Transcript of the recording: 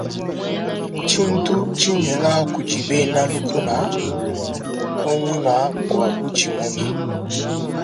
Tshintu tshinyenga kudi bena lukuna kunyima kua butshimunyi.